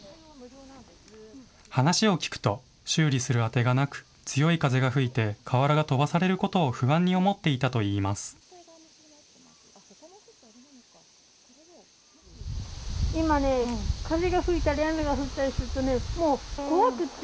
話を聞くと修理する当てがなく強い風が吹いて瓦が飛ばされることを不安に思っていたといいます。